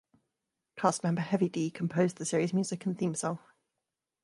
Cast member Heavy D composed the series' music and theme song.